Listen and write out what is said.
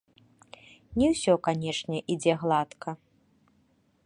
Не ўсё, канечне, ідзе гладка.